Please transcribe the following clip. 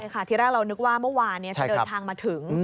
ที่แรกเรานึกว่าเมื่อวานจะเดินทางมาถึง